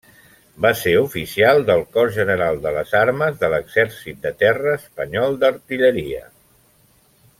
Va ser oficial del Cos General de les Armes de l’Exèrcit de Terra espanyol d’artilleria.